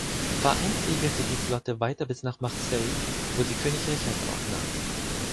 Vereint segelte die Flotte weiter bis nach Marseille wo sie König Richard aufnahm.